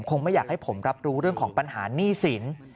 ไม่อยากให้ผมรับรู้เรื่องของปัญหาหนี้สิน